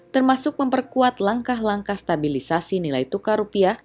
termasuk memperkuat langkah langkah stabilisasi nilai tukar rupiah